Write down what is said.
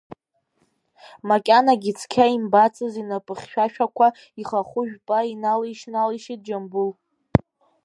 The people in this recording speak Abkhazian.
Макьанагьы цқьа имбацыз инапыхьшәашәақәа ихахәы жәпа иналишь-налишьит Џьамбул.